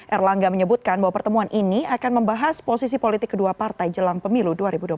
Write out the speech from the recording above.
erlangga menyebutkan bahwa pertemuan ini akan membahas posisi politik kedua partai jelang pemilu dua ribu dua puluh